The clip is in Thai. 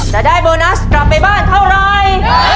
จะได้โบนัสกลับไปบ้านเท่าไร